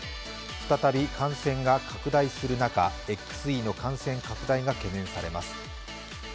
再び感染が拡大する中、ＸＥの感染拡大が懸念されます。